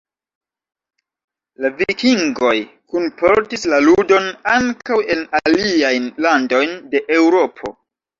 La Vikingoj kunportis la ludon ankaŭ en aliajn landojn de Eŭropo.